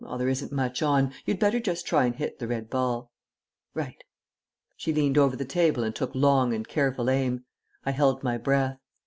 "Well, there isn't much on. You'd better just try and hit the red ball." "Right." She leant over the table and took long and careful aim. I held my breath....